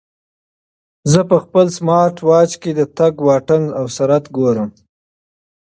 زه په خپل سمارټ واچ کې د تګ واټن او سرعت ګورم.